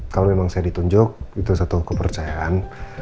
kalau memang saya ditunjuk itu satu kepercayaan